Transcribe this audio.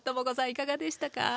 いかがでしたか？